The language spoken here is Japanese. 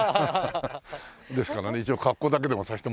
ですからね一応格好だけでもさせてもらおうかなと。